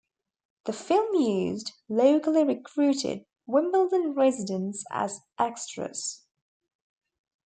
The film used locally recruited Wimbledon residents as extras.